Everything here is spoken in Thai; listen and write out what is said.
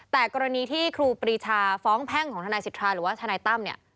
แต่กรณีที่ครูปรีชาฟ้องแพ่งของทนายสิทธาหรือว่าทนายตั้มเนี่ย